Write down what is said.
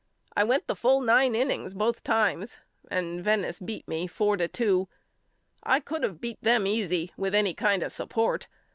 I went the full nine innings both times and Venice beat me four to two. I could of beat them easy with any kind of support.